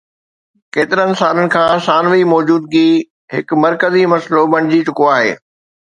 ڪيترن سالن کان ثانوي موجودگي هڪ مرڪزي مسئلو بڻجي چڪو آهي